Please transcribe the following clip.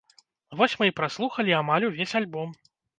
Вось мы і праслухалі амаль увесь альбом.